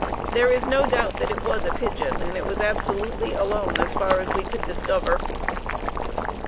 There is no doubt that it was a pigeon, and it was absolutely alone as far as we could discover.